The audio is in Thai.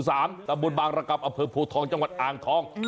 ในการบรรกับอเผมพวกทองจังหวัดอ่างทอง